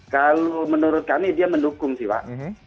kalau menurut kami dia mendukung sih pak